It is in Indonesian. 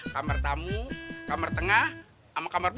kamar tamu kamar tengah dan rumah tempatan